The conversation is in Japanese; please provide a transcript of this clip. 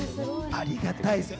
ありがたい。